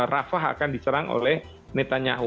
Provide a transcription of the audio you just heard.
rafah akan diserang oleh netanyaho